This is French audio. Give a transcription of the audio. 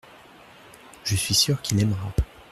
Je suis sûr qu’il aimera.